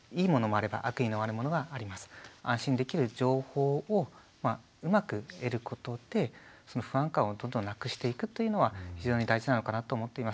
安心できる情報をうまく得ることでその不安感をどんどんなくしていくっていうのは非常に大事なのかなと思っています。